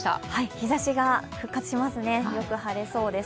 日ざしが復活しますね、よく晴れそうです。